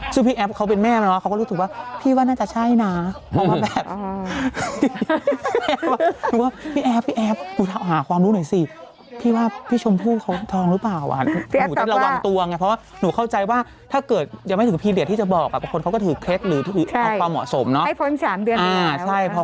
ซึ่งพี่แอฟซ์เขาเป็นแม่มั้ย